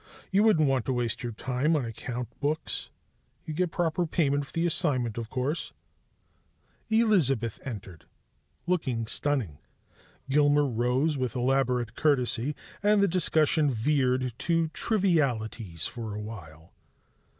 "You wouldn't want to waste your time on account books. You'd get proper payment for the assignment, of course " Elizabeth entered, looking stunning. Gilmer rose with elaborate courtesy, and the discussion veered to trivialities for awhile.